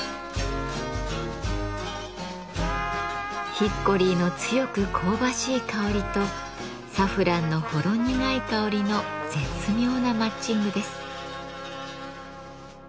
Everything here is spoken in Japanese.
ヒッコリーの強く香ばしい香りとサフランのほろ苦い香りの絶妙なマッチングです。